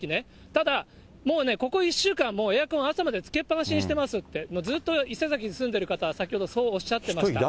ただ、もうね、ここ１週間、もうエアコン、朝までつけっ放しにしてますって、ずっと伊勢崎に住んでる方、先ほどそうおっしゃってました。